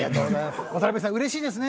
渡邊さん嬉しいですね。